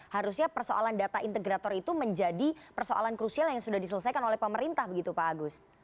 harusnya persoalan data integrator itu menjadi persoalan krusial yang sudah diselesaikan oleh pemerintah begitu pak agus